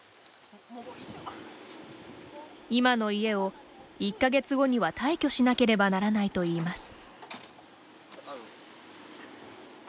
今の家を１か月後には退去しなければならないといいます。